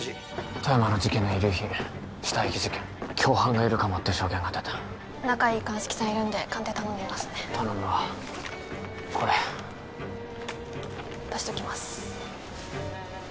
富山の事件の遺留品死体遺棄事件共犯がいるかもって証言が出た仲いい鑑識さんいるんで鑑定頼んでみますね頼むわこれ渡しときます